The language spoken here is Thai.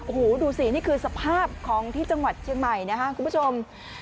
โอ้โหดูสินี่คือสภาพของที่จังหวัดเชียงใหม่นะครับคุณผู้ชม